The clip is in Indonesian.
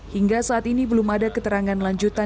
hingga saat ini belum ada keterangan lanjutan